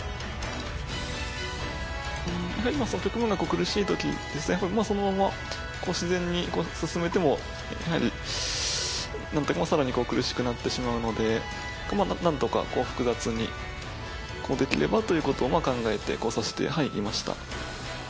苦しいときは、そのまま自然に進めても、やはりさらに苦しくなってしまうので、なんとか複雑にできればということを考えて指していました。